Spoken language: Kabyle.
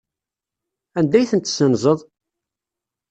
Anda ay tent-tessenzeḍ?